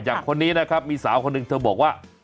คนนี้นะครับมีสาวคนหนึ่งเธอบอกว่า